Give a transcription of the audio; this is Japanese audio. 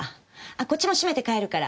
こっちも閉めて帰るから。